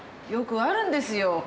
よくあるんですよ